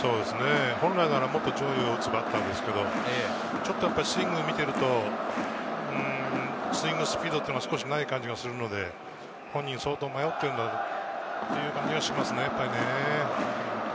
本来ならもっと上位を打つバッターですけれど、ちょっとスイングを見ていると、スイングスピードっていうのがちょっとない感じがするので、本人は相当迷ってるんだなという気がしますね。